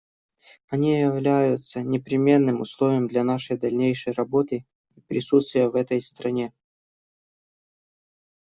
Они являются непременным условием для нашей дальнейшей работы и присутствия в этой стране.